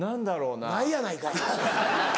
ないやないかい。